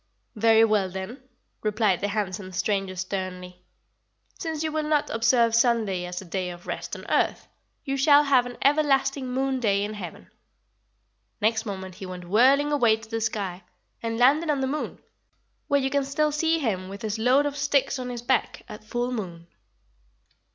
"'Very well, then,' replied the handsome stranger sternly, 'since you will not observe Sunday as a day of rest on earth, you shall have an everlasting moon day in heaven.' Next moment he went whirling away to the sky, and landed on the moon, where you can still see him with his load of sticks on his back at full moon."